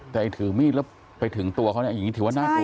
แต่ถือมีดไปถึงตัวเขาอย่างนี้ถือว่าน่ากลัว